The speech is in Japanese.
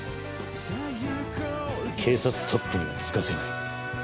警察トップには就かせない。